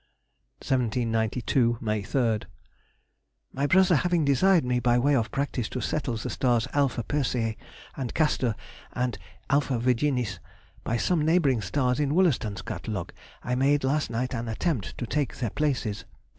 1792. May 3rd.—My brother having desired me by way of practice to settle the stars α Persei and Castor, and α Virginis, by some neighbouring stars in Wollaston's Catalogue, I made last night an attempt to take their places.